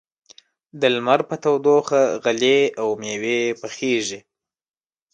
د لمر په تودوخه غلې او مېوې پخېږي.